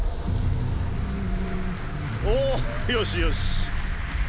おおよしよし。